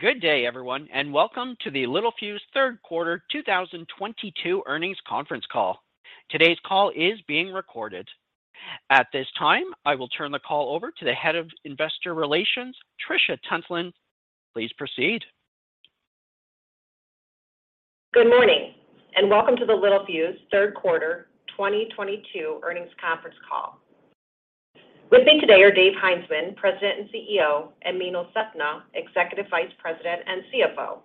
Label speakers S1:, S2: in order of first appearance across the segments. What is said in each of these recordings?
S1: Good day, everyone, and welcome to the Littelfuse third quarter 2022 earnings conference call. Today's call is being recorded. At this time, I will turn the call over to the head of investor relations, Trisha Tuntland. Please proceed.
S2: Good morning, and welcome to the Littelfuse third quarter 2022 earnings conference call. With me today are Dave Heinzmann, President and CEO, and Meenal Sethna, Executive Vice President and CFO.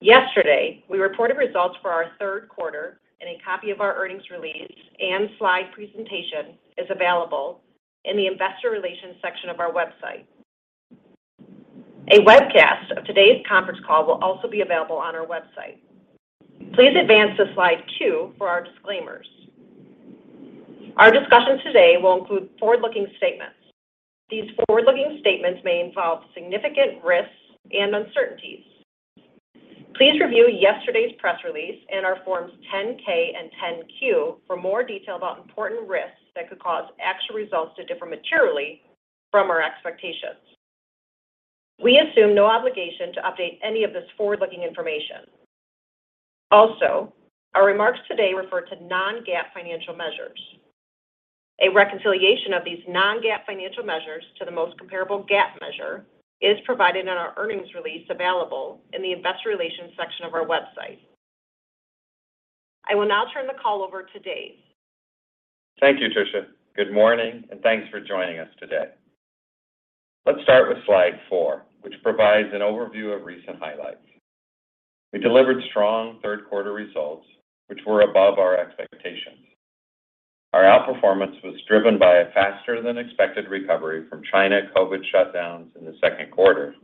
S2: Yesterday, we reported results for our third quarter, and a copy of our earnings release and slide presentation is available in the Investor Relations section of our website. A webcast of today's conference call will also be available on our website. Please advance to slide two for our disclaimers. Our discussion today will include forward-looking statements. These forward-looking statements may involve significant risks and uncertainties. Please review yesterday's press release in our Forms 10-K and 10-Q for more detail about important risks that could cause actual results to differ materially from our expectations. We assume no obligation to update any of this forward-looking information. Also, our remarks today refer to non-GAAP financial measures. A reconciliation of these non-GAAP financial measures to the most comparable GAAP measure is provided in our earnings release available in the Investor Relations section of our website. I will now turn the call over to Dave.
S3: Thank you, Trisha. Good morning, and thanks for joining us today. Let's start with slide four, which provides an overview of recent highlights. We delivered strong third quarter results, which were above our expectations. Our outperformance was driven by a faster than expected recovery from China COVID shutdowns in the second quarter,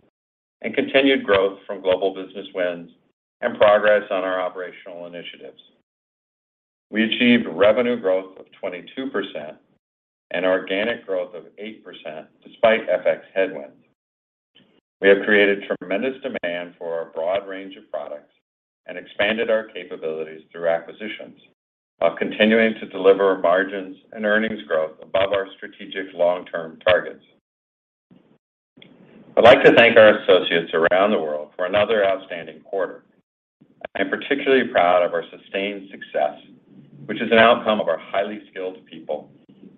S3: and continued growth from global business wins and progress on our operational initiatives. We achieved revenue growth of 22% and organic growth of 8% despite FX headwinds. We have created tremendous demand for our broad range of products and expanded our capabilities through acquisitions while continuing to deliver margins and earnings growth above our strategic long-term targets. I'd like to thank our associates around the world for another outstanding quarter. I am particularly proud of our sustained success, which is an outcome of our highly skilled people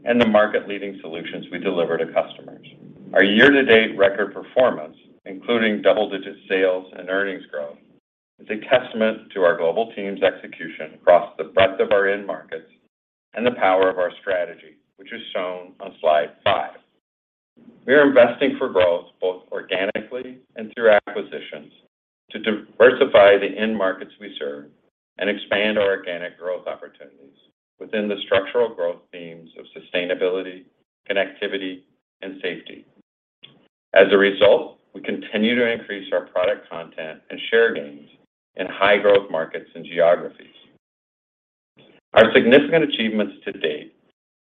S3: and the market-leading solutions we deliver to customers. Our year-to-date record performance, including double-digit sales and earnings growth, is a testament to our global team's execution across the breadth of our end markets and the power of our strategy, which is shown on slide five. We are investing for growth both organically and through acquisitions to diversify the end markets we serve and expand our organic growth opportunities within the structural growth themes of sustainability, connectivity, and safety. As a result, we continue to increase our product content and share gains in high growth markets and geographies. Our significant achievements to date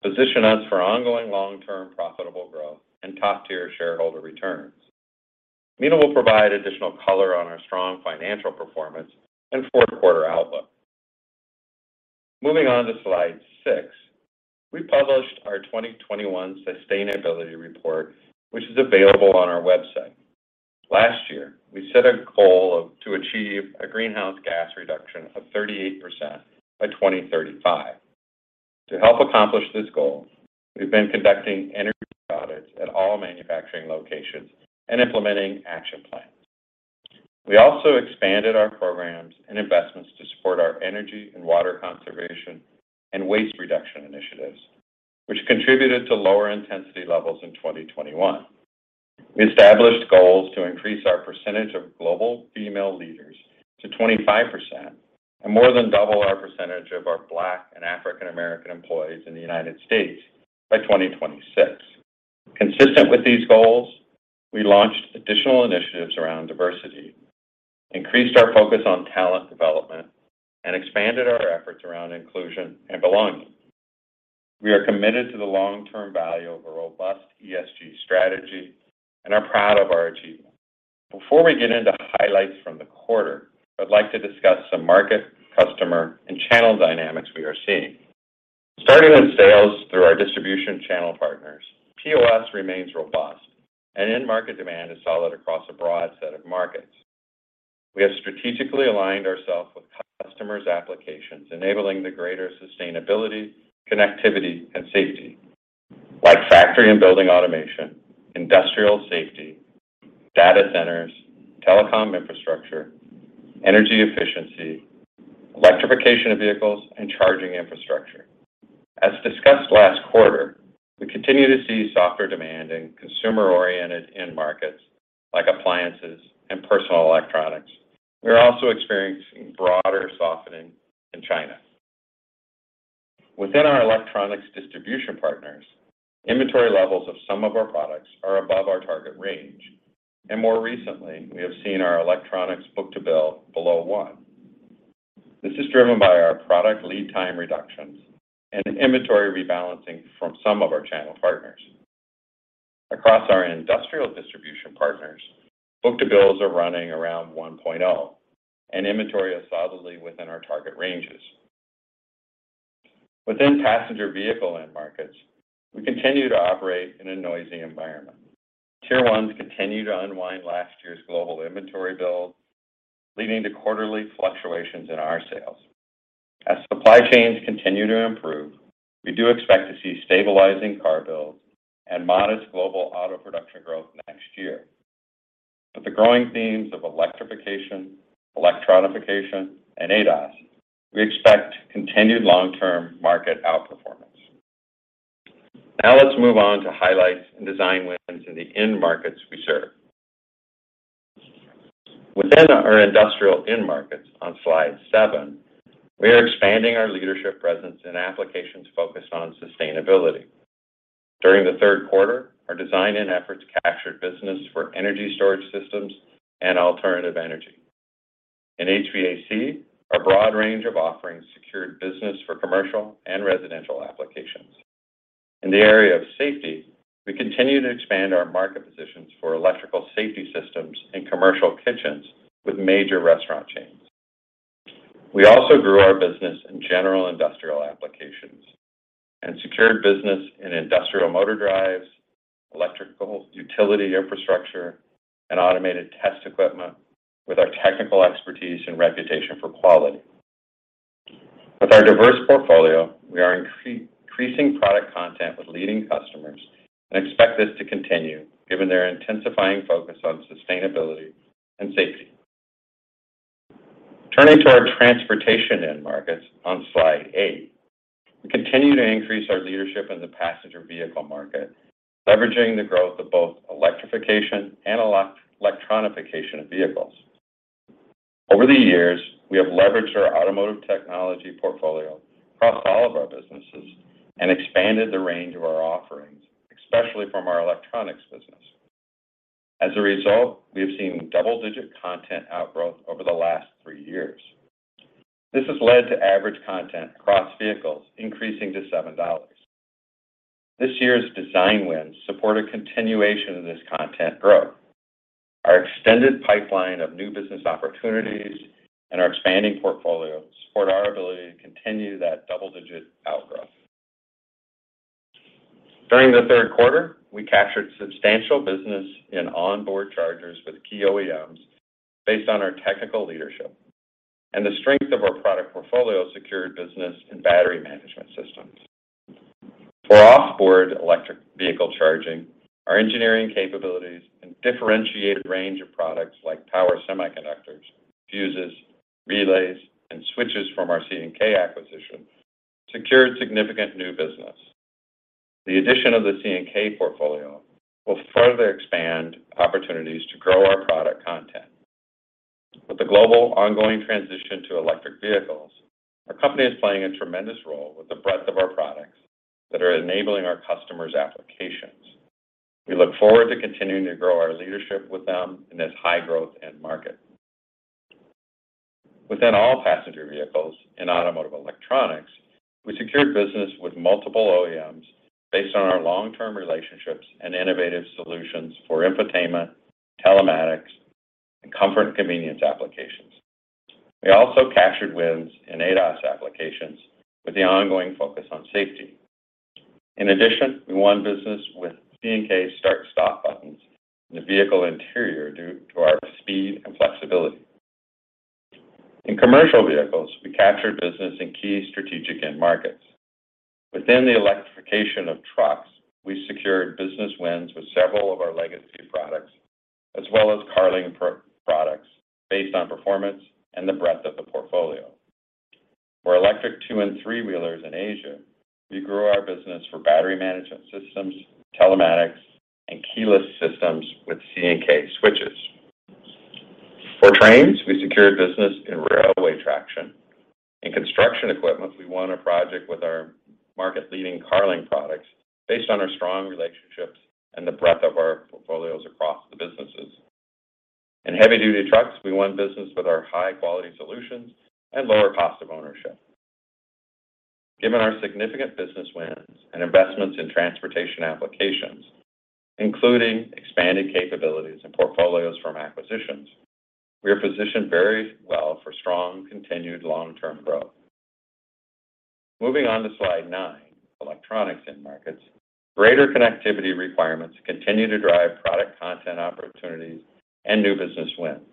S3: position us for ongoing long-term profitable growth and top-tier shareholder returns. Meenal will provide additional color on our strong financial performance and fourth quarter outlook. Moving on to slide six, we published our 2021 sustainability report, which is available on our website. Last year, we set a goal of to achieve a greenhouse gas reduction of 38% by 2035. To help accomplish this goal, we've been conducting energy audits at all manufacturing locations and implementing action plans. We also expanded our programs and investments to support our energy and water conservation and waste reduction initiatives, which contributed to lower intensity levels in 2021. We established goals to increase our percentage of global female leaders to 25%, and more than double our percentage of our Black and African American employees in the United States by 2026. Consistent with these goals, we launched additional initiatives around diversity, increased our focus on talent development, and expanded our efforts around inclusion and belonging. We are committed to the long-term value of a robust ESG strategy and are proud of our achievements. Before we get into highlights from the quarter, I'd like to discuss some market, customer, and channel dynamics we are seeing. Starting with sales through our distribution channel partners, POS remains robust and end market demand is solid across a broad set of markets. We have strategically aligned ourselves with customers' applications, enabling the greater sustainability, connectivity, and safety. Like factory and building automation, industrial safety, data centers, telecom infrastructure, energy efficiency, electrification of vehicles, and charging infrastructure. As discussed last quarter, we continue to see softer demand in consumer-oriented end markets like appliances and personal electronics. We are also experiencing broader softening in China. Within our electronics distribution partners, inventory levels of some of our products are above our target range, and more recently, we have seen our electronics book-to-bill below one. This is driven by our product lead time reductions and inventory rebalancing from some of our channel partners. Across our industrial distribution partners, book-to-bills are running around 1.0, and inventory is solidly within our target ranges. Within passenger vehicle end markets, we continue to operate in a noisy environment. Tier 1s continue to unwind last year's global inventory build, leading to quarterly fluctuations in our sales. As supply chains continue to improve, we do expect to see stabilizing car builds and modest global auto production growth next year. With the growing themes of electrification, electronification, and ADAS, we expect continued long-term market outperformance. Now let's move on to highlights and design wins in the end markets we serve. Within our industrial end markets on slide seven, we are expanding our leadership presence in applications focused on sustainability. During the third quarter, our design win efforts captured business for energy storage systems and alternative energy. In HVAC, our broad range of offerings secured business for commercial and residential applications. In the area of safety, we continue to expand our market positions for electrical safety systems and commercial kitchens with major restaurant chains. We also grew our business in general industrial applications and secured business in industrial motor drives, electrical utility infrastructure, and automated test equipment with our technical expertise and reputation for quality. With our diverse portfolio, we are increasing product content with leading customers and expect this to continue given their intensifying focus on sustainability and safety. Turning to our transportation end markets on slide eight, we continue to increase our leadership in the passenger vehicle market, leveraging the growth of both electrification and electronification of vehicles. Over the years, we have leveraged our automotive technology portfolio across all of our businesses and expanded the range of our offerings, especially from our electronics business. As a result, we have seen double-digit content outgrowth over the last three years. This has led to average content across vehicles increasing to $7. This year's design wins support a continuation of this content growth. Our extended pipeline of new business opportunities and our expanding portfolio support our ability to continue that double-digit outgrowth. During the third quarter, we captured substantial business in onboard chargers with key OEMs based on our technical leadership and the strength of our product portfolio secured business in battery management systems. For off-board electric vehicle charging, our engineering capabilities and differentiated range of products like power semiconductors, fuses, relays, and switches from our C&K acquisition secured significant new business. The addition of the C&K portfolio will further expand opportunities to grow our product content. With the global ongoing transition to electric vehicles, our company is playing a tremendous role with the breadth of our products that are enabling our customers' applications. We look forward to continuing to grow our leadership with them in this high-growth end market. Within all passenger vehicles and automotive electronics, we secured business with multiple OEMs based on our long-term relationships and innovative solutions for infotainment, telematics, and comfort and convenience applications. We also captured wins in ADAS applications with the ongoing focus on safety. In addition, we won business with C&K start/stop buttons in the vehicle interior due to our speed and flexibility. In commercial vehicles, we captured business in key strategic end markets. Within the electrification of trucks, we secured business wins with several of our legacy products, as well as Carling products based on performance and the breadth of the portfolio. For electric two and three-wheelers in Asia, we grew our business for battery management systems, telematics, and keyless systems with C&K switches. For trains, we secured business in railway traction. In construction equipment, we won a project with our market-leading Carling products based on our strong relationships and the breadth of our portfolios across the businesses. In heavy-duty trucks, we won business with our high-quality solutions and lower cost of ownership. Given our significant business wins and investments in transportation applications, including expanded capabilities and portfolios from acquisitions, we are positioned very well for strong, continued long-term growth. Moving on to slide nine, electronics end markets, greater connectivity requirements continue to drive product content opportunities and new business wins.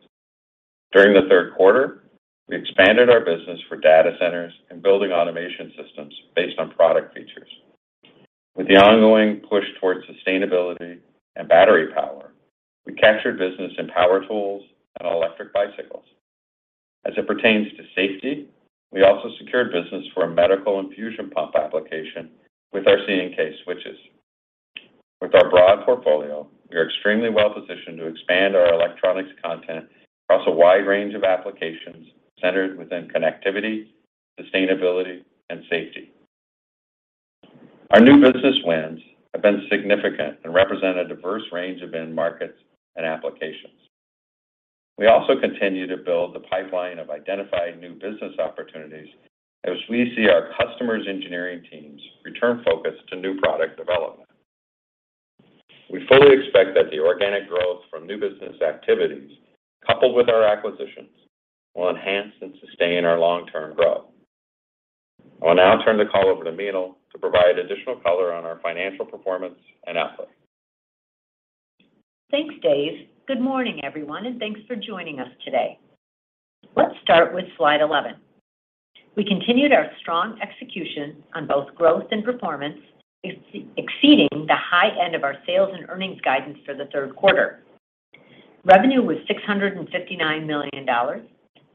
S3: During the third quarter, we expanded our business for data centers and building automation systems based on product features. With the ongoing push towards sustainability and battery power, we captured business in power tools and electric bicycles. As it pertains to safety, we also secured business for a medical infusion pump application with our C&K switches. With our broad portfolio, we are extremely well-positioned to expand our electronics content across a wide range of applications centered within connectivity, sustainability, and safety. Our new business wins have been significant and represent a diverse range of end markets and applications. We also continue to build the pipeline of identified new business opportunities as we see our customers' engineering teams return focus to new product development. We fully expect new business activities, coupled with our acquisitions, will enhance and sustain our long-term growth. I will now turn the call over to Meenal to provide additional color on our financial performance and outlook.
S4: Thanks, Dave. Good morning, everyone, and thanks for joining us today. Let's start with slide 11. We continued our strong execution on both growth and performance, exceeding the high end of our sales and earnings guidance for the third quarter. Revenue was $659 million,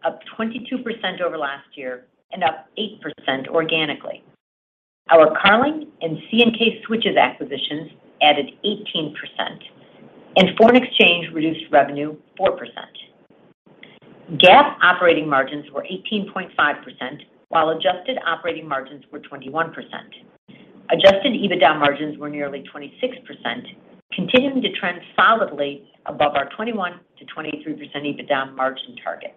S4: up 22% over last year and up 8% organically. Our Carling and C&K Switches acquisitions added 18%, and foreign exchange reduced revenue 4%. GAAP operating margins were 18.5%, while adjusted operating margins were 21%. Adjusted EBITDA margins were nearly 26%, continuing to trend solidly above our 21%-23% EBITDA margin target.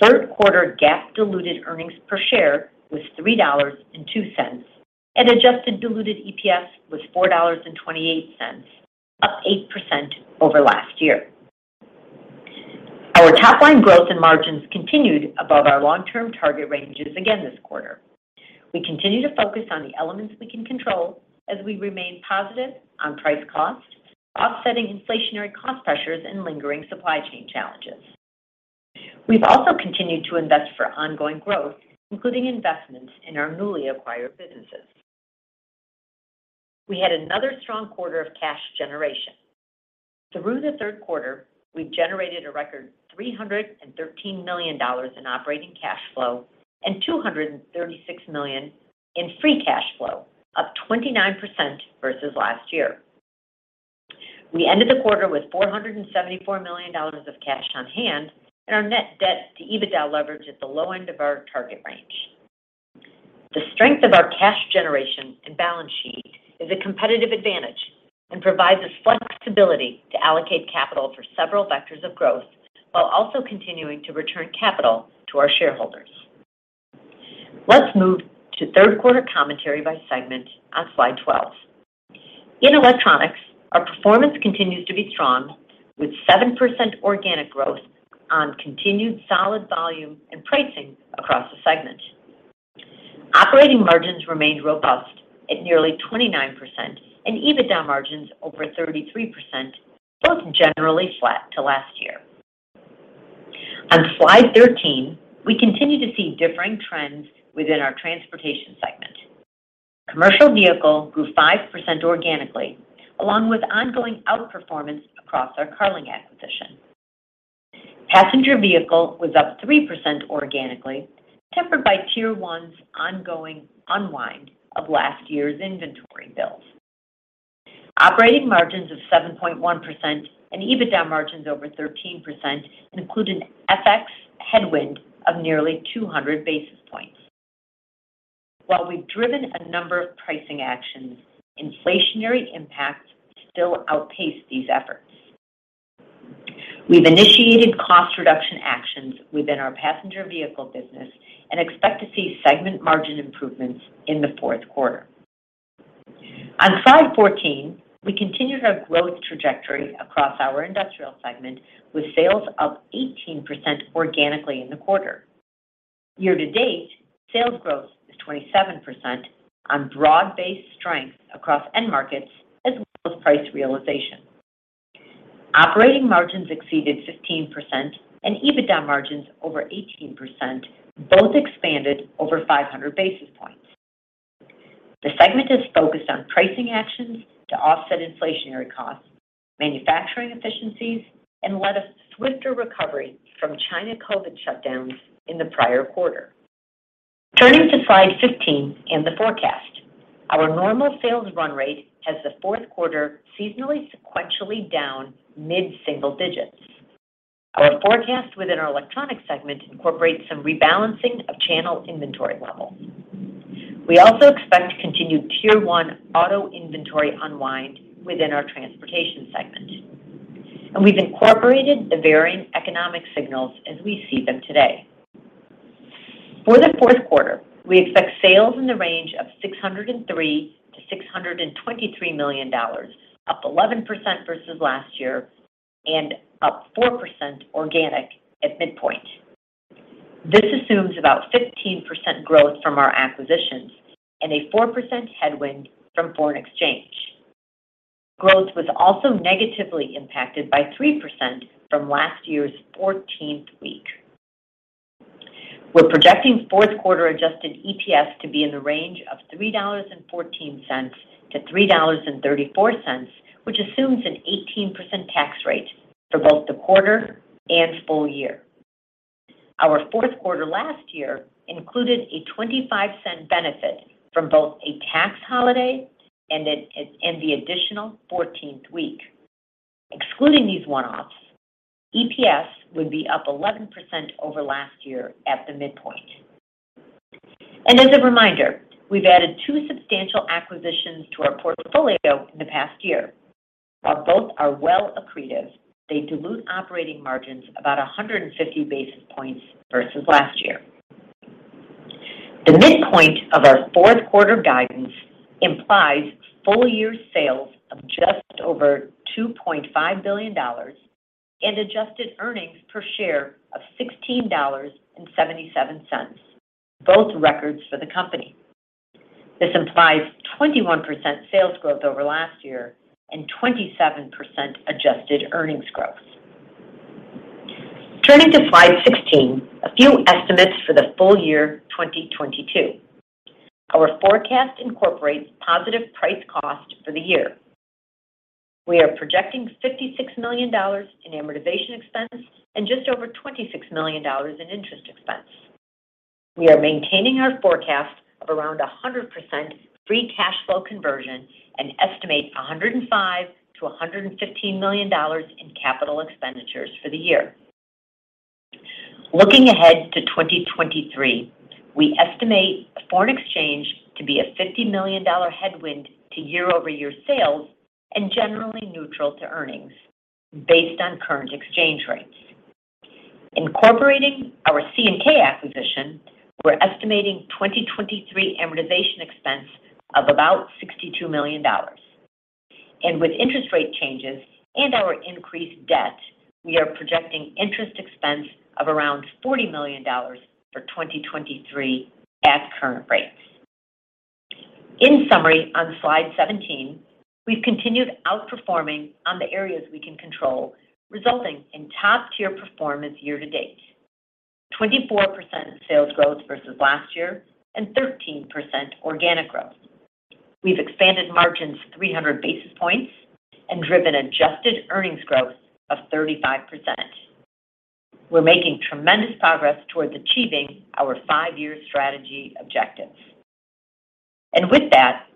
S4: Third quarter GAAP diluted earnings per share was $3.02, and adjusted diluted EPS was $4.28, up 8% over last year. Our top-line growth and margins continued above our long-term target ranges again this quarter. We continue to focus on the elements we can control as we remain positive on price cost, offsetting inflationary cost pressures and lingering supply chain challenges. We've also continued to invest for ongoing growth, including investments in our newly acquired businesses. We had another strong quarter of cash generation. Through the third quarter, we generated a record $313 million in operating cash flow and $236 million in free cash flow, up 29% versus last year. We ended the quarter with $474 million of cash on hand, and our net debt to EBITDA leverage at the low end of our target range. The strength of our cash generation and balance sheet is a competitive advantage and provides us flexibility to allocate capital for several vectors of growth while also continuing to return capital to our shareholders. Let's move to third quarter commentary by segment on slide 12. In electronics, our performance continues to be strong with 7% organic growth on continued solid volume and pricing across the segment. Operating margins remained robust at nearly 29%, and EBITDA margins over 33%, both generally flat to last year. On slide 13, we continue to see differing trends within our transportation segment. Commercial vehicle grew 5% organically, along with ongoing outperformance across our Carling acquisition. Passenger vehicle was up 3% organically, tempered by Tier One's ongoing unwind of last year's inventory builds. Operating margins of 7.1% and EBITDA margins over 13% include an FX headwind of nearly 200 basis points. While we've driven a number of pricing actions, inflationary impacts still outpace these efforts. We've initiated cost reduction actions within our passenger vehicle business and expect to see segment margin improvements in the fourth quarter. On slide 14, we continued our growth trajectory across our industrial segment with sales up 18% organically in the quarter. Year to date, sales growth is 27% on broad-based strength across end markets as well as price realization. Operating margins exceeded 15% and EBITDA margins over 18% both expanded over 500 basis points. The segment is focused on pricing actions to offset inflationary costs, manufacturing efficiencies, and led a swifter recovery from China COVID shutdowns in the prior quarter. Turning to slide 15 and the forecast. Our normal sales run rate has the fourth quarter seasonally sequentially down mid-single digits. Our forecast within our electronics segment incorporates some rebalancing of channel inventory levels. We also expect continued Tier One auto inventory unwind within our transportation segment. We've incorporated the varying economic signals as we see them today. For the fourth quarter, we expect sales in the range of $603 million-$623 million, up 11% versus last year and up 4% organic at midpoint. This assumes about 15% growth from our acquisitions and a 4% headwind from foreign exchange. Growth was also negatively impacted by 3% from last year's fourteenth week. We're projecting fourth quarter Adjusted EPS to be in the range of $3.14-$3.34, which assumes an 18% tax rate for both the quarter and full year. Our fourth quarter last year included a 25-cent benefit from both a tax holiday and the additional fourteenth week. Excluding these one-offs, EPS would be up 11% over last year at the midpoint. As a reminder, we've added two substantial acquisitions to our portfolio in the past year. While both are well accretive, they dilute operating margins about 150 basis points versus last year. The midpoint of our fourth quarter guidance implies full-year sales of just over $2.5 billion and adjusted earnings per share of $16.77, both records for the company. This implies 21% sales growth over last year and 27% adjusted earnings growth. Turning to slide 16, a few estimates for the full year 2022. Our forecast incorporates positive price cost for the year. We are projecting $56 million in amortization expense and just over $26 million in interest expense. We are maintaining our forecast of around 100% free cash flow conversion and estimate $105 million-$115 million in capital expenditures for the year. Looking ahead to 2023, we estimate foreign exchange to be a $50 million headwind to year-over-year sales and generally neutral to earnings based on current exchange rates. Incorporating our C&K acquisition, we're estimating 2023 amortization expense of about $62 million. With interest rate changes and our increased debt, we are projecting interest expense of around $40 million for 2023 at current rates. In summary, on slide 17, we've continued outperforming on the areas we can control, resulting in top-tier performance year to date. 24% sales growth versus last year and 13% organic growth. We've expanded margins 300 basis points and driven adjusted earnings growth of 35%. We're making tremendous progress towards achieving our 5-year strategy objectives. With that,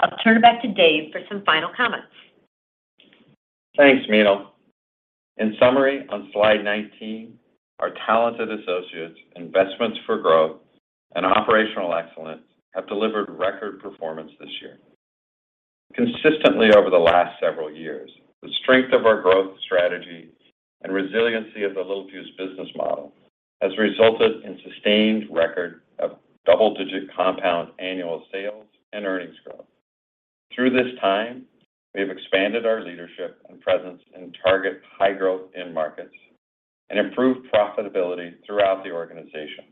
S4: I'll turn it back to Dave for some final comments.
S3: Thanks, Meenal. In summary, on slide 19, our talented associates, investments for growth, and operational excellence have delivered record performance this year. Consistently over the last several years, the strength of our growth strategy and resiliency of the Littelfuse business model has resulted in sustained record of double-digit compound annual sales and earnings growth. Through this time, we have expanded our leadership and presence in target high-growth end markets and improved profitability throughout the organization.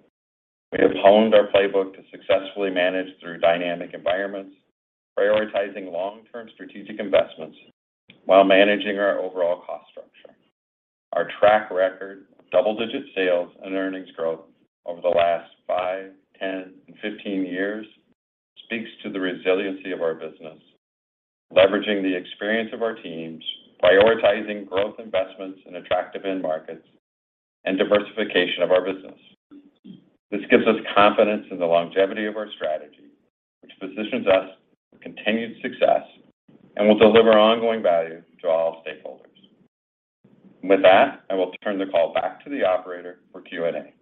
S3: We have honed our playbook to successfully manage through dynamic environments, prioritizing long-term strategic investments while managing our overall cost structure. Our track record of double-digit sales and earnings growth over the last five, 10, and 15 years speaks to the resiliency of our business, leveraging the experience of our teams, prioritizing growth investments in attractive end markets, and diversification of our business. This gives us confidence in the longevity of our strategy, which positions us for continued success and will deliver ongoing value to all stakeholders. With that, I will turn the call back to the operator for Q&A.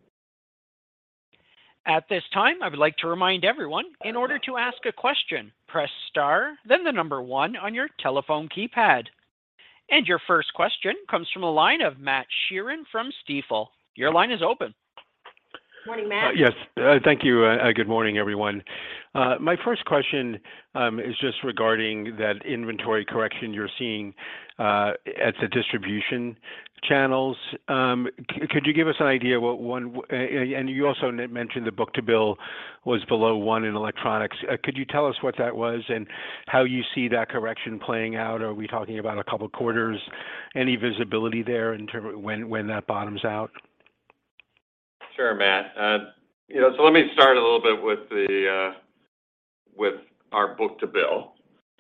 S1: At this time, I would like to remind everyone, in order to ask a question, press star, then the number one on your telephone keypad. Your first question comes from the line of Matthew Sheerin from Stifel. Your line is open.
S4: Morning, Matt.
S5: Yes. Thank you. Good morning, everyone. My first question is just regarding that inventory correction you're seeing at the distribution channels. Could you give us an idea and you also mentioned the book-to-bill was below one in electronics. Could you tell us what that was and how you see that correction playing out? Are we talking about a couple quarters? Any visibility there in terms of when that bottoms out?
S3: Sure, Matt. You know, let me start a little bit with our book-to-bill.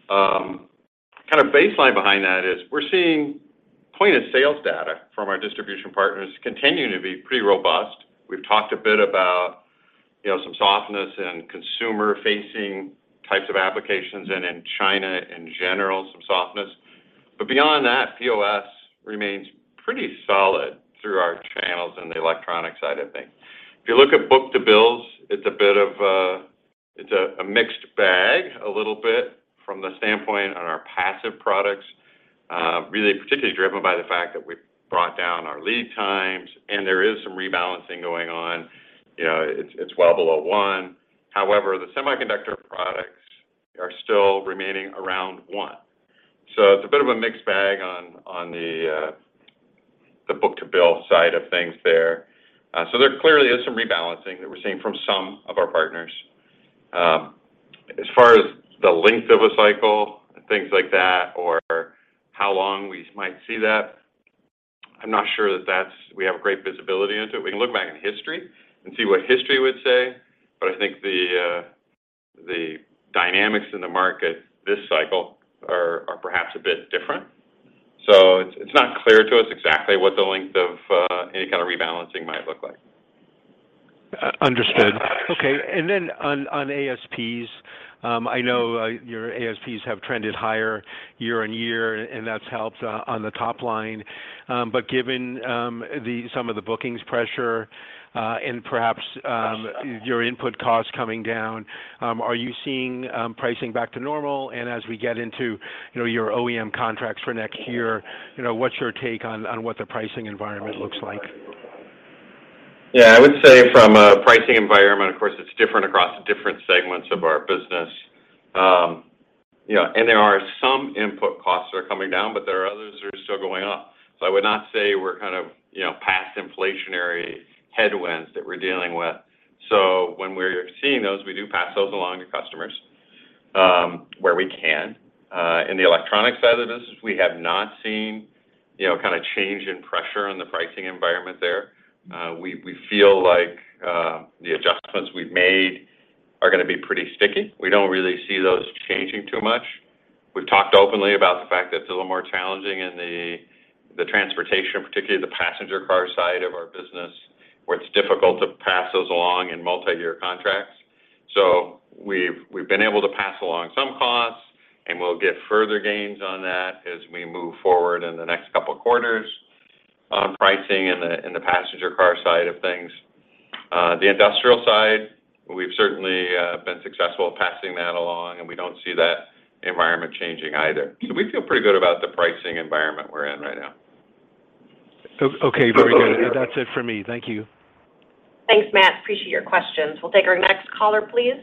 S3: Kind of baseline behind that is we're seeing point of sales data from our distribution partners continuing to be pretty robust. We've talked a bit about, you know, some softness in consumer-facing types of applications, and in China in general, some softness. But beyond that, POS remains pretty solid through our channels in the electronic side of things. If you look at book-to-bills, it's a bit of a mixed bag a little bit from the standpoint on our passive products, really particularly driven by the fact that we've brought down our lead times, and there is some rebalancing going on. You know, it's well below one. However, the semiconductor products are still remaining around one. It's a bit of a mixed bag on the book-to-bill side of things there. There clearly is some rebalancing that we're seeing from some of our partners. As far as the length of a cycle and things like that or how long we might see that, I'm not sure that we have a great visibility into it. We can look back in history and see what history would say, but I think the dynamics in the market this cycle are perhaps a bit different. It's not clear to us exactly what the length of any kind of rebalancing might look like.
S5: Understood. Okay. Then on ASPs, I know your ASPs have trended higher year-on-year, and that's helped on the top line. Given some of the bookings pressure and perhaps your input costs coming down, are you seeing pricing back to normal? As we get into your OEM contracts for next year, you know, what's your take on what the pricing environment looks like?
S3: Yeah, I would say from a pricing environment, of course, it's different across different segments of our business. You know, there are some input costs that are coming down, but there are others that are still going up. I would not say we're kind of, you know, past inflationary headwinds that we're dealing with. When we're seeing those, we do pass those along to customers, where we can. In the electronic side of the business, we have not seen, you know, kind of change in pressure in the pricing environment there. We feel like the adjustments we've made are gonna be pretty sticky. We don't really see those changing too much. We've talked openly about the fact that it's a little more challenging in the transportation, particularly the passenger car side of our business, where it's difficult to pass those along in multi-year contracts. We've been able to pass along some costs, and we'll get further gains on that as we move forward in the next couple of quarters on pricing in the passenger car side of things. The industrial side, we've certainly been successful at passing that along, and we don't see that environment changing either. We feel pretty good about the pricing environment we're in right now.
S5: Okay, very good. That's it for me. Thank you.
S2: Thanks, Matt. Appreciate your questions. We'll take our next caller, please.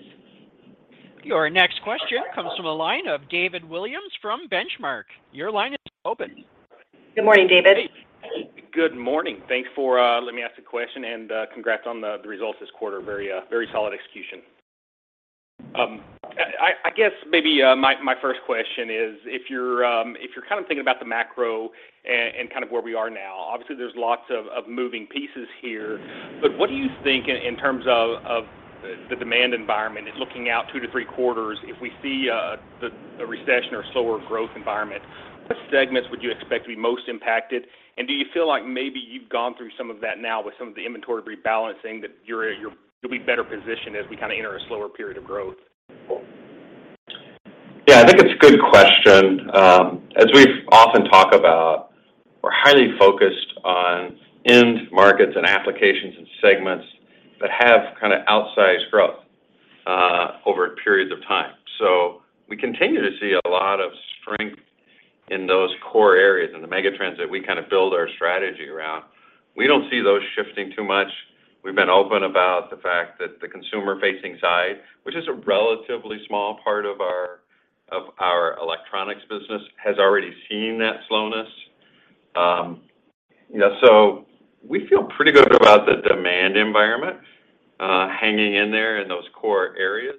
S1: Your next question comes from the line of David Williams from Benchmark. Your line is open.
S4: Good morning, David.
S6: Good morning. Thanks for letting me ask a question, and congrats on the results this quarter. Very solid execution. I guess maybe my first question is, if you're kind of thinking about the macro and kind of where we are now, obviously there's lots of moving pieces here, but what do you think in terms of the demand environment, looking out two-three quarters, if we see the recession or slower growth environment, what segments would you expect to be most impacted? Do you feel like maybe you've gone through some of that now with some of the inventory rebalancing that you'll be better positioned as we kind of enter a slower period of growth?
S3: Yeah, I think it's a good question. As we often talk about, we're highly focused on end markets and applications and segments that have kinda outsized growth over periods of time. We continue to see a lot of strength in those core areas, in the mega trends that we kind of build our strategy around. We don't see those shifting too much. We've been open about the fact that the consumer-facing side, which is a relatively small part of our electronics business, has already seen that slowness. You know, we feel pretty good about the demand environment, hanging in there in those core areas.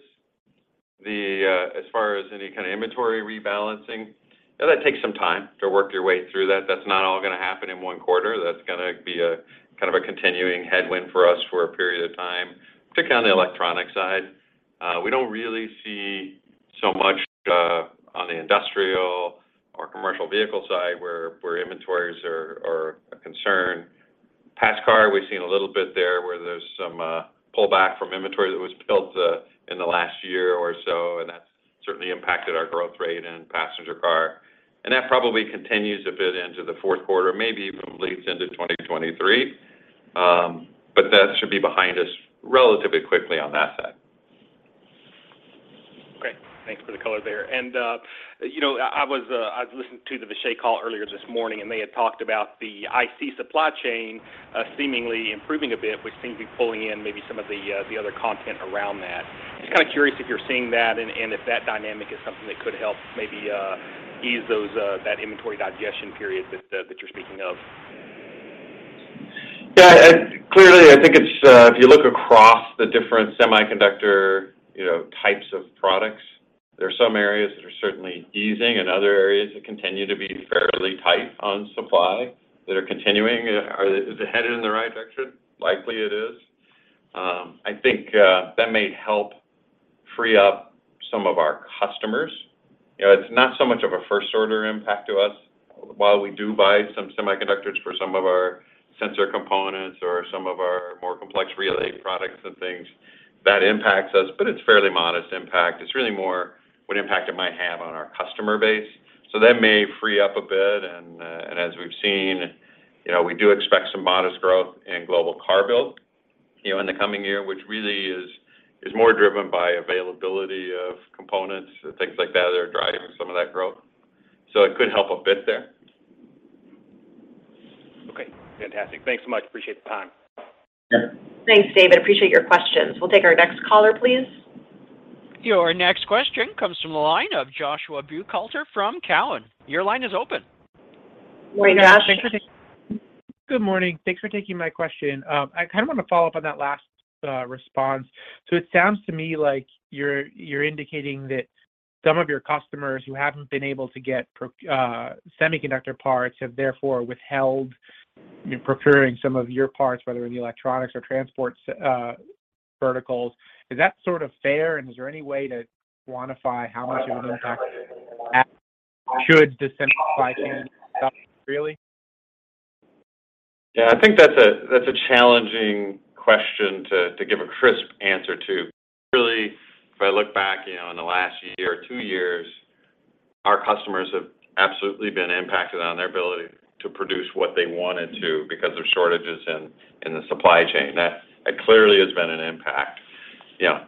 S3: As far as any kind of inventory rebalancing, that takes some time to work your way through that. That's not all gonna happen in one quarter. That's gonna be a kind of a continuing headwind for us for a period of time, particularly on the electronic side. We don't really see so much on the industrial or commercial vehicle side where inventories are a concern. Passenger car, we've seen a little bit there where there's some pullback from inventory that was built in the last year or so, and that's certainly impacted our growth rate in passenger car. That probably continues a bit into the fourth quarter, maybe even bleeds into 2023, but that should be behind us relatively quickly on that side.
S6: Great. Thanks for the color there. I was listening to the Vishay call earlier this morning, and they had talked about the IC supply chain seemingly improving a bit, which seems to be pulling in maybe some of the other content around that. Just kinda curious if you're seeing that and if that dynamic is something that could help maybe ease that inventory digestion period that you're speaking of.
S3: Yeah, clearly, I think it's if you look across the different semiconductor, you know, types of products, there are some areas that are certainly easing and other areas that continue to be fairly tight on supply that are continuing. Is it headed in the right direction? Likely it is. I think that may help free up some of our customers. You know, it's not so much of a first order impact to us. While we do buy some semiconductors for some of our sensor components or some of our more complex relay products and things, that impacts us, but it's fairly modest impact. It's really more what impact it might have on our customer base. That may free up a bit and as we've seen, you know, we do expect some modest growth in global car build, you know, in the coming year, which really is more driven by availability of components and things like that that are driving some of that growth. It could help a bit there.
S6: Okay. Fantastic. Thanks so much. Appreciate the time.
S4: Thanks, David. Appreciate your questions. We'll take our next caller, please.
S1: Your next question comes from the line of Joshua Buchalter from Cowen. Your line is open.
S4: Morning, Josh.
S7: Good morning. Thanks for taking my question. I kind of wanna follow up on that last response. It sounds to me like you're indicating that some of your customers who haven't been able to get semiconductor parts have therefore withheld, you know, procuring some of your parts, whether in the electronics or transport verticals. Is that sort of fair, and is there any way to quantify how much of an impact should the semiconductor really?
S3: Yeah, I think that's a challenging question to give a crisp answer to. Really, if I look back, you know, in the last year or two years, our customers have absolutely been impacted on their ability to produce what they wanted to because of shortages in the supply chain. Yeah,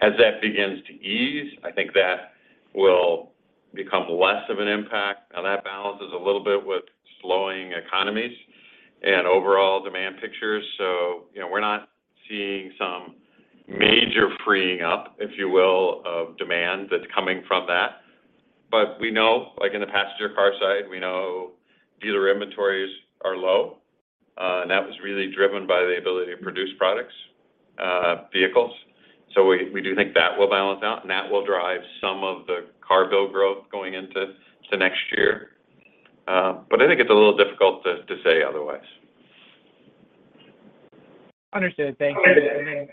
S3: as that begins to ease, I think that will become less of an impact. Now, that balances a little bit with slowing economies and overall demand pictures. You know, we're not seeing some major freeing up, if you will, of demand that's coming from that. We know, like in the passenger car side, we know dealer inventories are low. That was really driven by the ability to produce products, vehicles. We do think that will balance out, and that will drive some of the cargo growth going into next year. I think it's a little difficult to say otherwise.
S7: Understood. Thank you.
S3: Okay.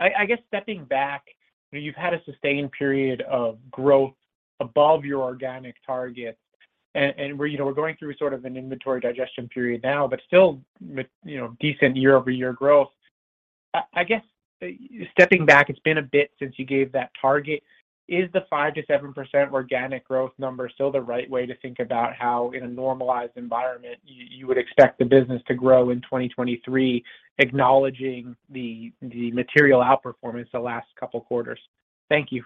S7: I guess stepping back, you've had a sustained period of growth above your organic targets. We're, you know, going through sort of an inventory digestion period now, but still, you know, decent year-over-year growth. I guess stepping back, it's been a bit since you gave that target. Is the 5%-7% organic growth number still the right way to think about how, in a normalized environment, you would expect the business to grow in 2023, acknowledging the material outperformance the last couple quarters? Thank you.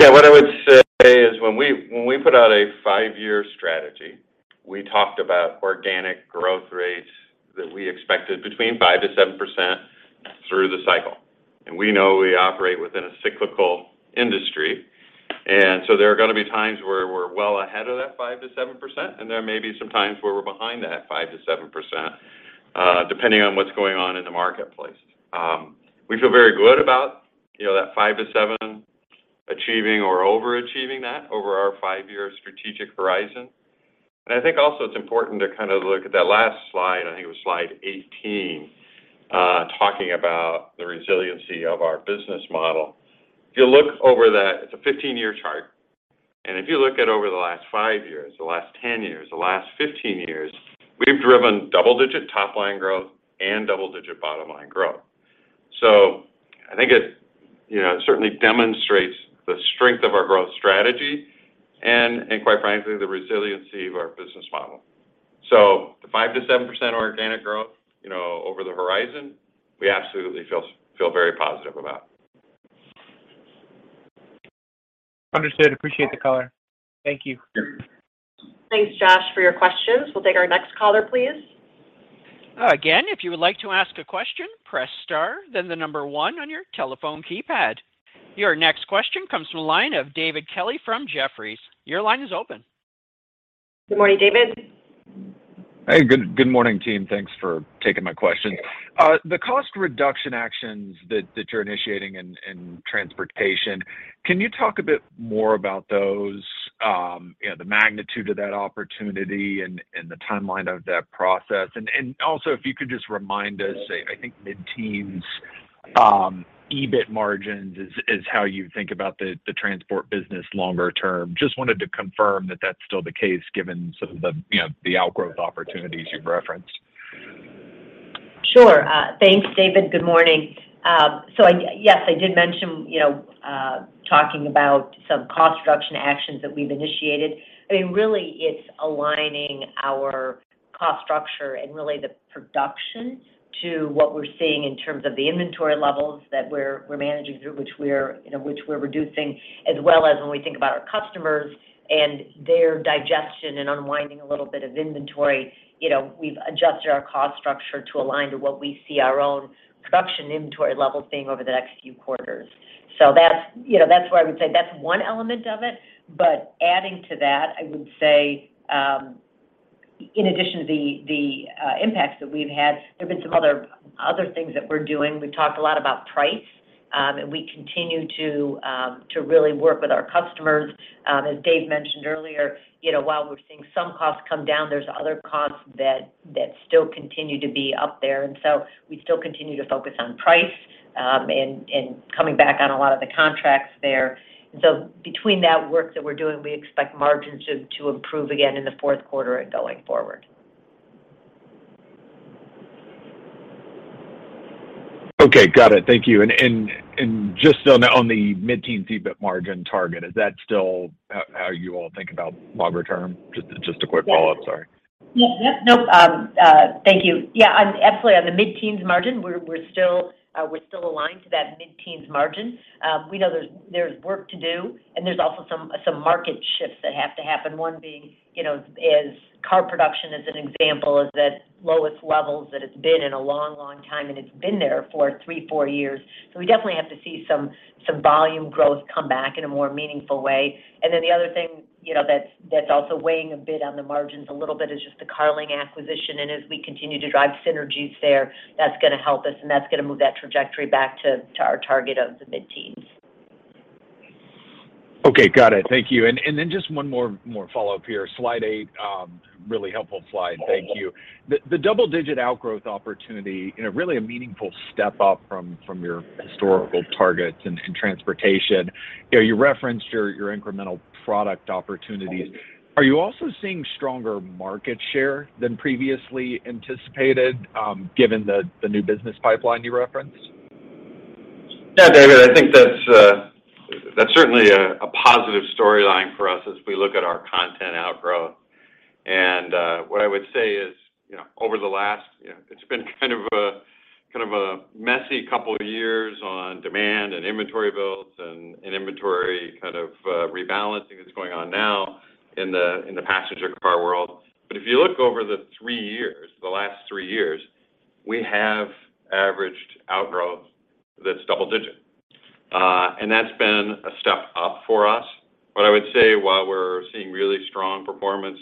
S3: Yeah. What I would say is when we put out a five-year strategy, we talked about organic growth rates that we expected between 5%-7% through the cycle. We know we operate within a cyclical industry. There are gonna be times where we're well ahead of that 5%-7%, and there may be some times where we're behind that 5%-7%, depending on what's going on in the marketplace. We feel very good about, you know, that 5%-7%, achieving or over-achieving that over our five-year strategic horizon. I think also it's important to kind of look at that last slide, I think it was slide 18, talking about the resiliency of our business model. If you look over that, it's a 15-year chart, and if you look at over the last five years, the last 10 years, the last 15 years, we've driven double-digit top line growth and double-digit bottom line growth. I think it, you know, certainly demonstrates the strength of our growth strategy and quite frankly, the resiliency of our business model. The 5%-7% organic growth, you know, over the horizon, we absolutely feel very positive about.
S7: Understood. Appreciate the color. Thank you.
S4: Thanks, Josh, for your questions. We'll take our next caller, please.
S1: Again, if you would like to ask a question, press star, then the number one on your telephone keypad. Your next question comes from the line of David Kelley from Jefferies. Your line is open.
S4: Good morning, David.
S8: Hey, good morning, team. Thanks for taking my question. The cost reduction actions that you're initiating in transportation, can you talk a bit more about those, you know, the magnitude of that opportunity and the timeline of that process? Also, if you could just remind us, say, I think mid-teens EBIT margins is how you think about the transport business longer term. Just wanted to confirm that that's still the case given some of the, you know, the outgrowth opportunities you've referenced.
S4: Sure. Thanks, David. Good morning. Yes, I did mention, you know, talking about some cost reduction actions that we've initiated. I mean, really it's aligning our cost structure and really the production to what we're seeing in terms of the inventory levels that we're managing through, which we're reducing, as well as when we think about our customers and their digestion and unwinding a little bit of inventory. You know, we've adjusted our cost structure to align to what we see our own production inventory levels being over the next few quarters. That's where I would say that's one element of it. Adding to that, I would say, in addition to the impacts that we've had, there have been some other things that we're doing. We've talked a lot about price, and we continue to really work with our customers. As Dave mentioned earlier, you know, while we're seeing some costs come down, there's other costs that still continue to be up there. We still continue to focus on price, and coming back on a lot of the contracts there. Between that work that we're doing, we expect margins to improve again in the fourth quarter and going forward.
S8: Okay. Got it. Thank you. Just on the mid-teen EBIT margin target, is that still how you all think about longer term? Just a quick follow-up. Sorry.
S4: Yes. Yep, nope. Thank you. Yeah, absolutely. On the mid-teens margin, we're still aligned to that mid-teens margin. We know there's work to do, and there's also some market shifts that have to happen. One being, you know, car production, as an example, is at lowest levels that it's been in a long, long time, and it's been there for three-four years. We definitely have to see some volume growth come back in a more meaningful way. The other thing, you know, that's also weighing a bit on the margins a little bit is just the Carling acquisition. As we continue to drive synergies there, that's gonna help us, and that's gonna move that trajectory back to our target of the mid-teens.
S8: Okay. Got it. Thank you. Then just one more follow-up here. Slide eight, really helpful slide. Thank you. The double-digit outgrowth opportunity, you know, really a meaningful step up from your historical targets in transportation. You know, you referenced your incremental product opportunities. Are you also seeing stronger market share than previously anticipated, given the new business pipeline you referenced?
S3: Yeah. David, I think that's certainly a positive storyline for us. What I would say is, you know, over the last, you know, it's been kind of a messy couple of years on demand and inventory builds and inventory kind of rebalancing that's going on now in the passenger car world. If you look over the three years, the last three years, we have averaged outgrowth that's double-digit. And that's been a step up for us. What I would say while we're seeing really strong performance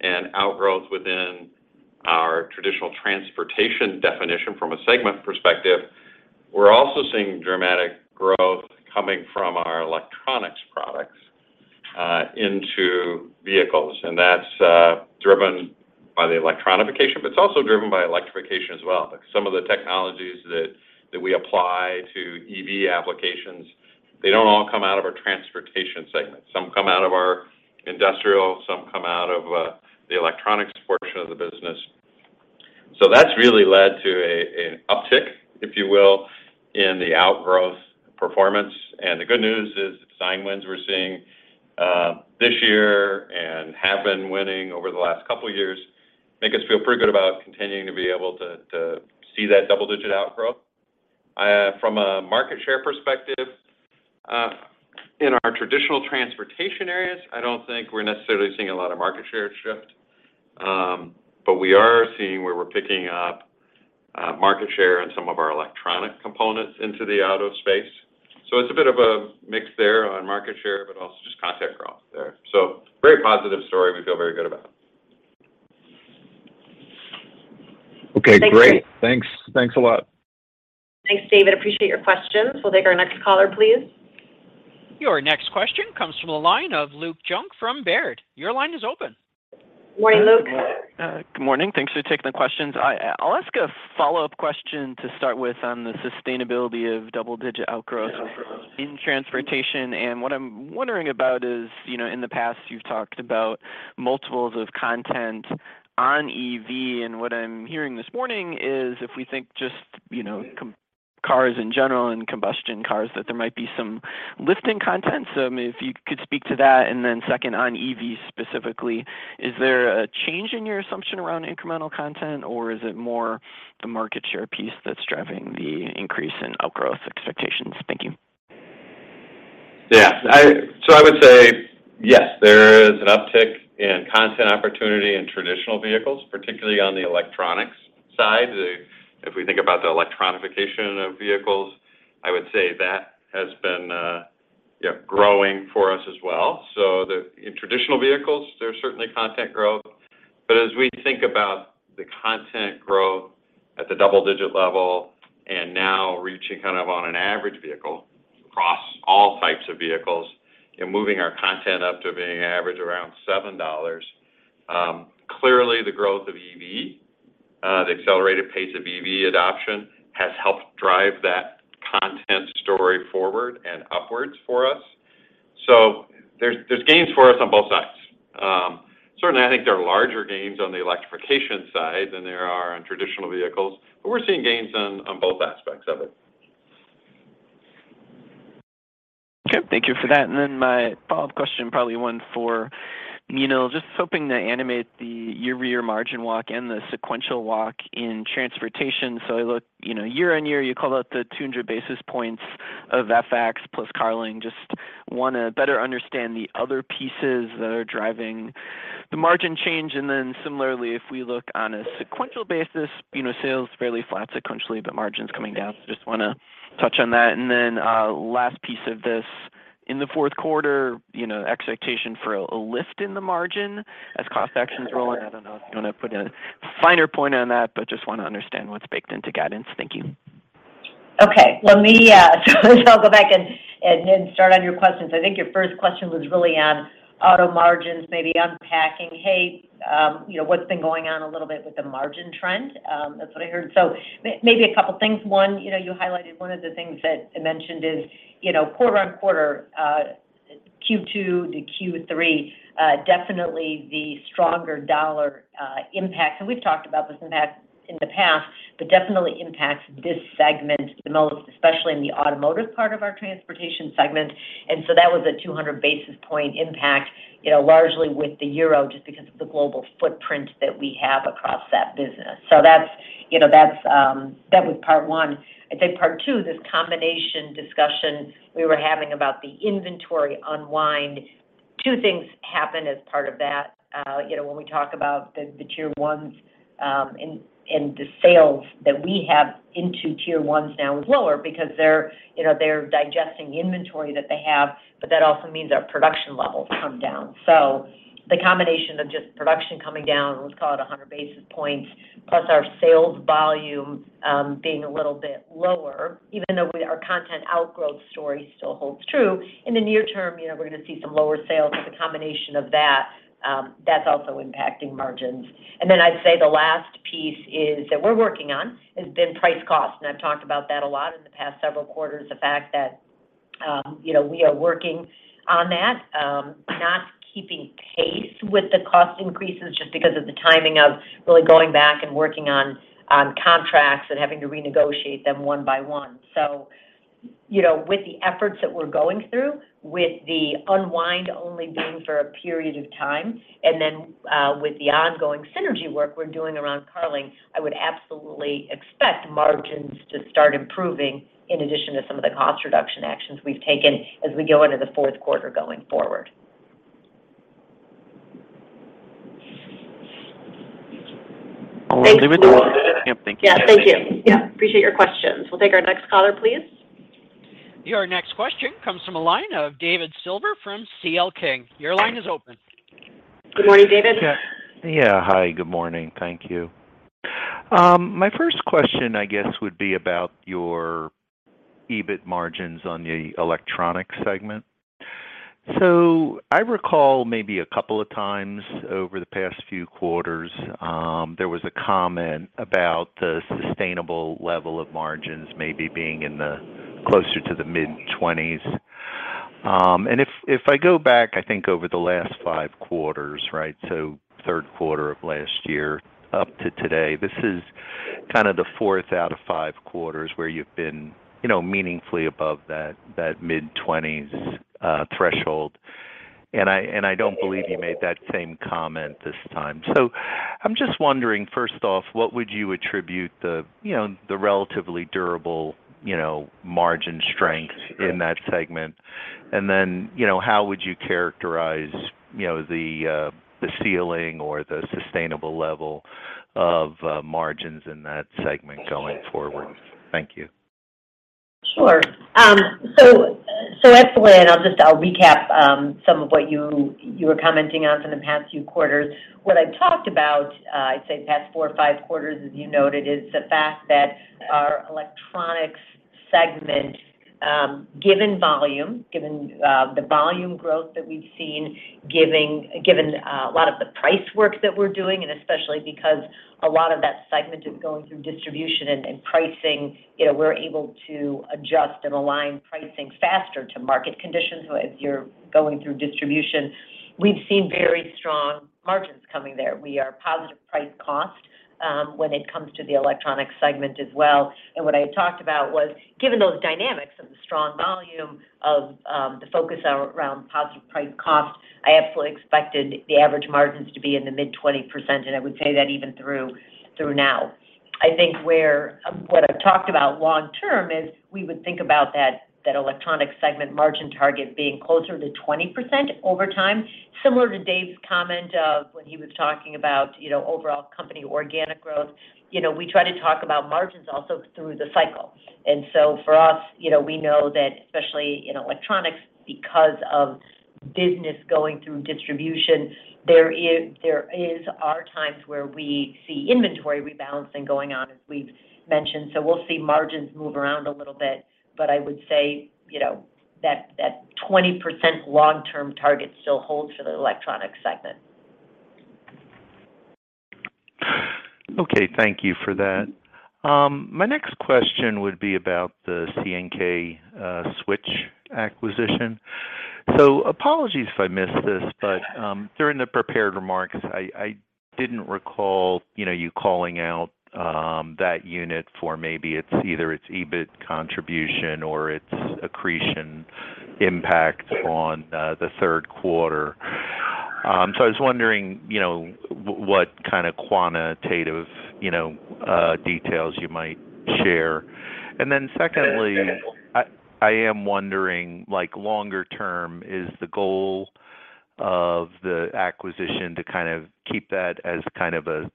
S3: and outgrowths within our traditional transportation definition from a segment perspective, we're also seeing dramatic growth coming from our electronics products into vehicles. That's driven by the electronification, but it's also driven by electrification as well. Some of the technologies that we apply to EV applications, they don't all come out of our transportation segment. Some come out of our industrial, some come out of the electronics portion of the business. That's really led to an uptick, if you will, in the outgrowth performance. The good news is the design wins we're seeing this year and have been winning over the last couple years make us feel pretty good about continuing to be able to see that double digit outgrowth. From a market share perspective, in our traditional transportation areas, I don't think we're necessarily seeing a lot of market share shift. We are seeing where we're picking up market share on some of our electronic components into the auto space. It's a bit of a mix there on market share, but also just content growth there. Very positive story we feel very good about.
S8: Okay, great.
S4: Thanks.
S8: Thanks. Thanks a lot.
S4: Thanks, David. Appreciate your questions. We'll take our next caller, please.
S1: Your next question comes from the line of Luke Junk from Baird. Your line is open.
S4: Morning, Luke.
S9: Good morning. Thanks for taking the questions. I'll ask a follow-up question to start with on the sustainability of double-digit outgrowth in transportation. What I'm wondering about is, you know, in the past, you've talked about multiples of content on EV. What I'm hearing this morning is if we think just, you know, cars in general and combustion cars, that there might be some lift in content. I mean, if you could speak to that. Second on EV specifically, is there a change in your assumption around incremental content, or is it more the market share piece that's driving the increase in outgrowth expectations? Thank you.
S3: Yeah. I would say, yes, there is an uptick in content opportunity in traditional vehicles, particularly on the electronics side. If we think about the electronification of vehicles, I would say that has been growing for us as well. In traditional vehicles, there's certainly content growth. But as we think about the content growth at the double digit level and now reaching kind of on an average vehicle across all types of vehicles and moving our content up to being average around $7, clearly the growth of EV, the accelerated pace of EV adoption has helped drive that content story forward and upwards for us. There's gains for us on both sides. Certainly I think there are larger gains on the electrification side than there are on traditional vehicles, but we're seeing gains on both aspects of it.
S9: Okay. Thank you for that. My follow-up question, probably one for, you know, just hoping to animate the year-over-year margin walk and the sequential walk in transportation. I look, you know, year-on-year, you called out the 200 basis points of FX+ Carling. Just wanna better understand the other pieces that are driving the margin change. Similarly, if we look on a sequential basis, you know, sales fairly flat sequentially, but margins coming down. Just wanna touch on that. Last piece of this, in the fourth quarter, you know, expectation for a lift in the margin as cost actions rolling. I don't know if you wanna put a finer point on that, but just wanna understand what's baked into guidance. Thank you.
S4: Okay. Let me so I'll go back and then start on your questions. I think your first question was really on auto margins, maybe unpacking, hey, you know, what's been going on a little bit with the margin trend. That's what I heard. Maybe a couple things. One, you know, you highlighted one of the things that I mentioned is, you know, quarter-on-quarter, Q2-Q3, definitely the stronger dollar impact. We've talked about this impact in the past, but definitely impacts this segment the most, especially in the automotive part of our transportation segment. That was a 200 basis point impact, you know, largely with the euro just because of the global footprint that we have across that business. That's, you know, that was part one. I'd say part two, this combination discussion we were having about the inventory unwind, two things happen as part of that. You know, when we talk about the Tier One, and the sales that we have into Tier One now is lower because they're, you know, they're digesting inventory that they have, but that also means our production levels come down. The combination of just production coming down, let's call it 100 basis points, plus our sales volume, being a little bit lower, even though our content outgrowth story still holds true. In the near term, you know, we're gonna see some lower sales. It's a combination of that's also impacting margins. Then I'd say the last piece is that we're working on has been price cost. I've talked about that a lot in the past several quarters, the fact that, you know, we are working on that, not keeping pace with the cost increases just because of the timing of really going back and working on contracts and having to renegotiate them one by one. You know, with the efforts that we're going through, with the unwind only being for a period of time, and then, with the ongoing synergy work we're doing around Carling, I would absolutely expect margins to start improving in addition to some of the cost reduction actions we've taken as we go into the fourth quarter going forward.
S9: I'll leave it there.
S4: Thank you.
S9: Yeah, thank you.
S4: Yeah, thank you. Yeah, appreciate your questions. We'll take our next caller, please.
S1: Your next question comes from the line of David Silver from C.L. King. Your line is open.
S4: Good morning, David.
S10: Yeah. Hi, good morning. Thank you. My first question, I guess, would be about your EBIT margins on the electronic segment. I recall maybe a couple of times over the past few quarters, there was a comment about the sustainable level of margins maybe being in the closer to the mid-twenties. If I go back, I think, over the last five quarters, right, so third quarter of last year up to today, this is kind of the fourth out of five quarters where you've been, you know, meaningfully above that mid-twenties threshold. I don't believe you made that same comment this time. I'm just wondering, first off, what would you attribute the, you know, the relatively durable, you know, margin strength in that segment? You know, how would you characterize, you know, the ceiling or the sustainable level of margins in that segment going forward? Thank you.
S4: Sure. That's the way, and I'll recap some of what you were commenting on from the past few quarters. What I've talked about, I'd say the past four or five quarters, as you noted, is the fact that our electronics segment, given volume, given the volume growth that we've seen, given a lot of the price work that we're doing, and especially because a lot of that segment is going through distribution and pricing, you know, we're able to adjust and align pricing faster to market conditions as you're going through distribution. We've seen very strong margins coming there. We are positive price cost when it comes to the electronics segment as well. What I had talked about was given those dynamics and the strong volume of the focus around positive price cost, I absolutely expected the average margins to be in the mid-20%, and I would say that even through now. I think what I've talked about long term is we would think about that electronic segment margin target being closer to 20% over time. Similar to Dave's comment of when he was talking about, you know, overall company organic growth. You know, we try to talk about margins also through the cycle. For us, you know, we know that especially in electronics, because of business going through distribution, there are times where we see inventory rebalancing going on, as we've mentioned. We'll see margins move around a little bit. I would say, you know, that 20% long-term target still holds for the electronic segment.
S10: Okay. Thank you for that. My next question would be about the C&K Switches acquisition. Apologies if I missed this, but during the prepared remarks, I didn't recall you calling out that unit for maybe either its EBIT contribution or its accretion impact on the third quarter. I was wondering what kind of quantitative details you might share. Secondly, I am wondering, like longer term, is the goal of the acquisition to kind of keep that as kind of a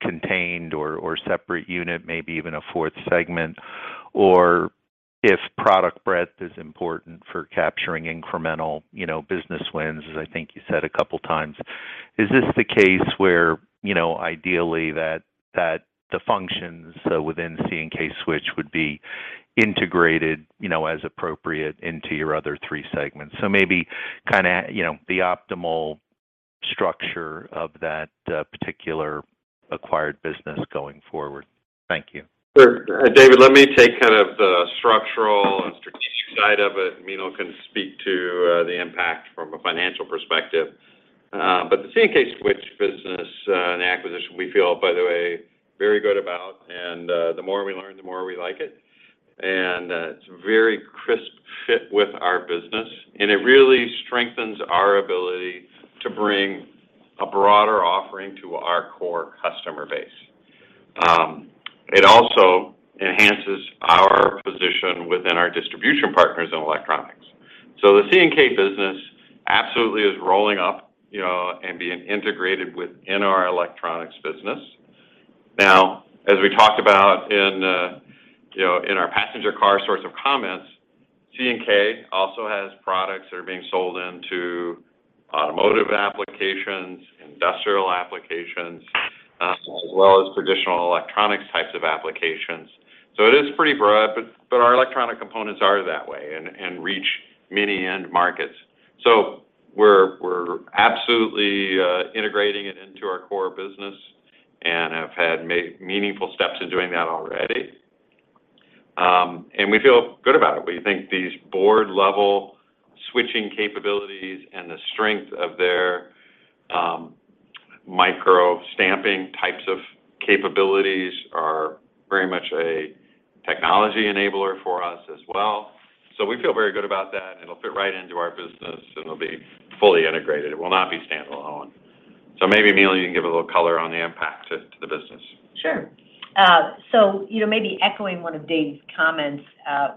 S10: contained or separate unit, maybe even a fourth segment, or if product breadth is important for capturing incremental, you know, business wins, as I think you said a couple times. Is this the case where, you know, ideally that the functions within C&K Switches would be integrated, you know, as appropriate into your other three segments? Maybe kind of, you know, the optimal structure of that particular acquired business going forward. Thank you.
S3: Sure. David, let me take kind of the structural and strategic side of it. Meenal can speak to the impact from a financial perspective. But the C&K Switches business, an acquisition we feel, by the way, very good about, and the more we learn, the more we like it. It's a very crisp fit with our business, and it really strengthens our ability to bring a broader offering to our core customer base. It also enhances our position within our distribution partners in electronics. The C&K business absolutely is rolling up, you know, and being integrated within our electronics business. Now, as we talked about in you know, in our passenger car sorts of comments, C&K also has products that are being sold into automotive applications, industrial applications, as well as traditional electronics types of applications. It is pretty broad, but our electronic components are that way and reach many end markets. We're absolutely integrating it into our core business and have had meaningful steps in doing that already. We feel good about it. We think these board-level switching capabilities and the strength of their stamping types of capabilities are very much a technology enabler for us as well. We feel very good about that, and it'll fit right into our business, and it'll be fully integrated. It will not be standalone. Maybe, Meenal, you can give a little color on the impact to the business.
S4: Sure. So, you know, maybe echoing one of Dave's comments,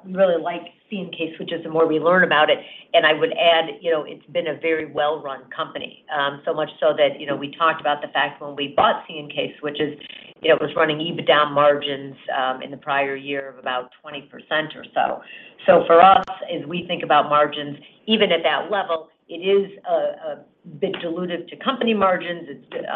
S4: we really like C&K Switches, the more we learn about it, and I would add, you know, it's been a very well-run company. So much so that, you know, we talked about the fact when we bought C&K Switches, it was running EBITDA margins in the prior year of about 20% or so. For us, as we think about margins, even at that level, it is a bit dilutive to company margins. It's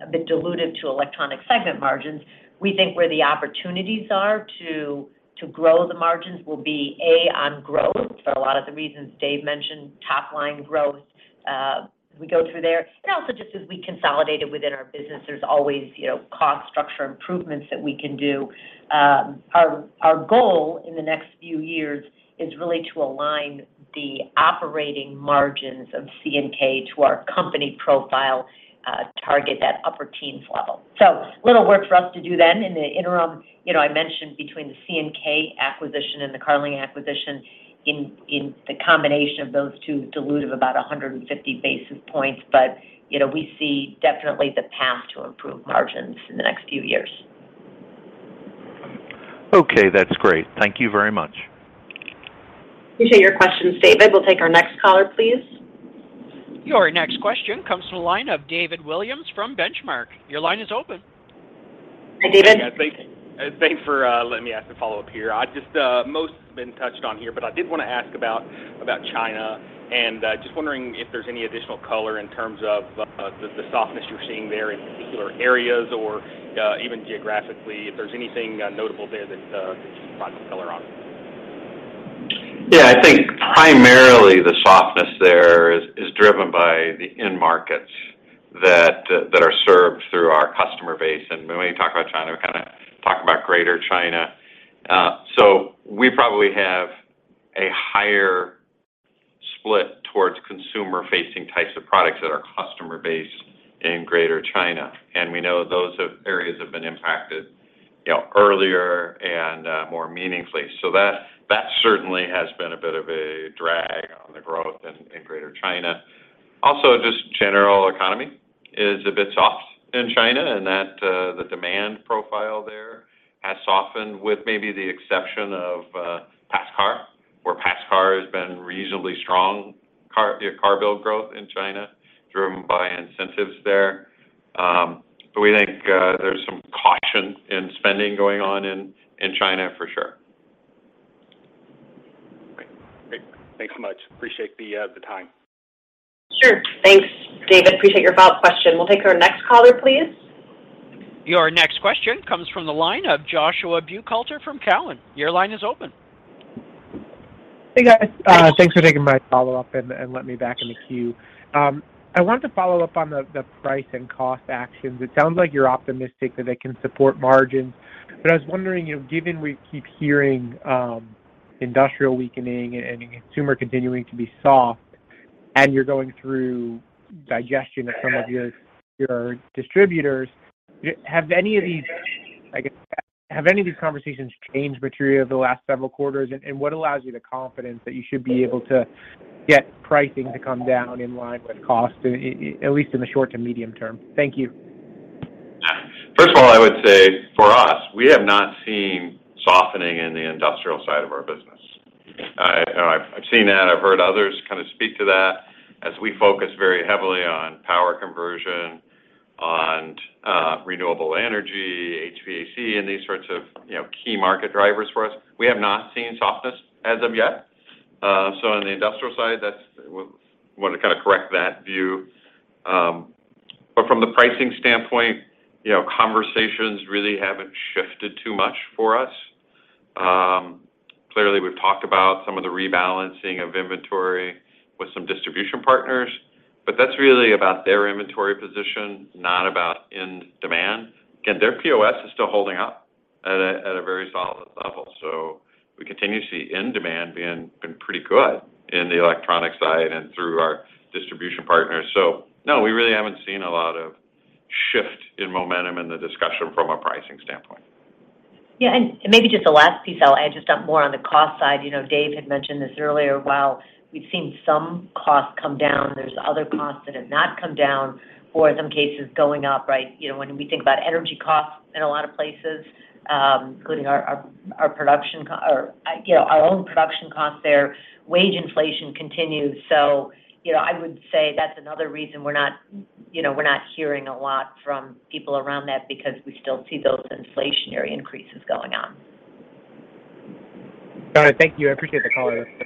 S4: a bit dilutive to electronic segment margins. We think where the opportunities are to grow the margins will be, A, on growth for a lot of the reasons Dave mentioned, top-line growth, as we go through there. Also just as we consolidated within our business, there's always, you know, cost structure improvements that we can do. Our goal in the next few years is really to align the operating margins of C&K to our company profile, target that upper teens level. Little work for us to do then. In the interim, you know, I mentioned between the C&K acquisition and the Carling acquisition, the combination of those two dilutive about 150 basis points. You know, we see definitely the path to improve margins in the next few years.
S10: Okay, that's great. Thank you very much.
S4: Appreciate your questions, David. We'll take our next caller, please.
S1: Your next question comes from the line of David Williams from Benchmark. Your line is open.
S2: Hi, David.
S6: Yeah, thanks. Thanks for letting me ask a follow-up here. Most has been touched on here, but I did wanna ask about China and just wondering if there's any additional color in terms of the softness you're seeing there in particular areas or even geographically, if there's anything notable there that you could shine some color on.
S3: Yeah. I think primarily the softness there is driven by the end markets that are served through our customer base. When we talk about China, we're kinda talking about Greater China. So we probably have a higher split towards consumer-facing types of products that are customer-based in Greater China. We know those areas have been impacted, you know, earlier and more meaningfully. That certainly has been a bit of a drag on the growth in Greater China. Also, just general economy is a bit soft in China, and that the demand profile there has softened with maybe the exception of passenger car, where passenger car has been reasonably strong car build growth in China driven by incentives there. We think there's some caution in spending going on in China for sure.
S6: Great. Thanks so much. Appreciate the time.
S4: Sure. Thanks, David. Appreciate your follow-up question. We'll take our next caller, please.
S1: Your next question comes from the line of Joshua Buchalter from Cowen. Your line is open.
S7: Hey, guys.
S4: Hi, Josh.
S7: Thanks for taking my follow-up and let me back in the queue. I wanted to follow up on the price and cost actions. It sounds like you're optimistic that they can support margins. I was wondering, you know, given we keep hearing, industrial weakening and consumer continuing to be soft, and you're going through digestion of some of your distributors, have any of these conversations changed materially over the last several quarters? What allows you the confidence that you should be able to get pricing to come down in line with cost, at least in the short to medium term? Thank you.
S3: First of all, I would say for us, we have not seen softening in the industrial side of our business. You know, I've seen that. I've heard others kind of speak to that. As we focus very heavily on power conversion, on renewable energy, HVAC, and these sorts of, you know, key market drivers for us, we have not seen softness as of yet. On the industrial side, we want to kinda correct that view. From the pricing standpoint, you know, conversations really haven't shifted too much for us. Clearly, we've talked about some of the rebalancing of inventory with some distribution partners, but that's really about their inventory position, not about end demand. Again, their POS is still holding up at a very solid level. We continue to see end demand being pretty good in the electronic side and through our distribution partners. No, we really haven't seen a lot of shift in momentum in the discussion from a pricing standpoint.
S4: Yeah. Maybe just the last piece I'll add, just one more on the cost side. You know, Dave had mentioned this earlier. While we've seen some costs come down, there's other costs that have not come down or in some cases going up, right? You know, when we think about energy costs in a lot of places, including our production, you know, our own production costs there, wage inflation continues. You know, I would say that's another reason we're not hearing a lot from people around that because we still see those inflationary increases going on.
S7: All right. Thank you. I appreciate the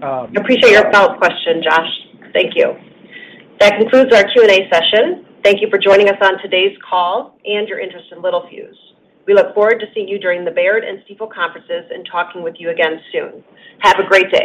S7: color.
S4: Appreciate your follow-up question, Josh. Thank you. That concludes our Q&A session. Thank you for joining us on today's call and your interest in Littelfuse. We look forward to seeing you during the Baird and Stifel conferences and talking with you again soon. Have a great day.